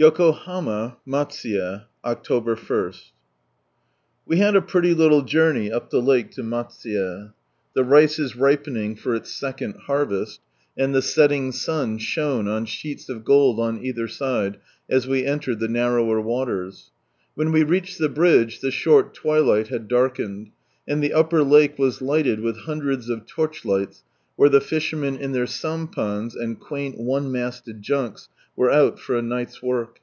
Yokohama. Matsuye. Oct. i. — We had a pretty little journey up the lake to Matsuye. The rice is ripening for its second harvest, and the setting sun shone on sheets of gold on either side, as we entered the narrower waters. U'hen we reached the bridge the short twilight had darkened, and the upper lake was lighted with hundreds of torchlights where the fishermen in their sampans, and quaint one masted junks, were out for a night's work.